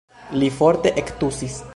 Li forte ektusis.